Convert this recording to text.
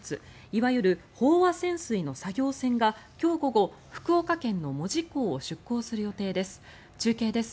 いわゆる飽和潜水の作業船が今日午後、福岡県の門司港を出港する予定です。